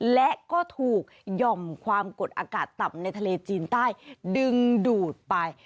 และก็ถูกหย่อมความกดอากาศต่ำในทะเลจีนใต้ดึงดูดไป